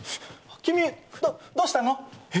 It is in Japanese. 君、どうしたの？え！